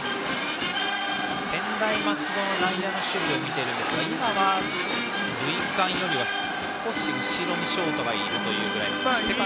専大松戸の内野の守備を見ているんですが今は塁間よりは少し後ろにショートがいるというぐらい。